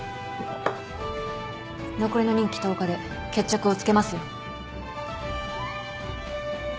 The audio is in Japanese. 残りの任期１０日で決着をつけますよ。